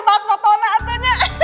hebat foto anak anaknya